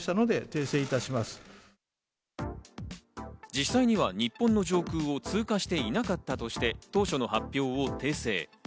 実際には日本の上空を通過していなかったとして、当初の発表を訂正。